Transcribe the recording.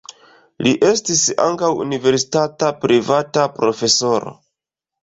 Li estis ankaŭ universitata privata profesoro.